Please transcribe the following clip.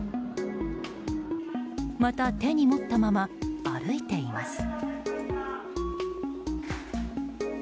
また手に持ったまま歩いています。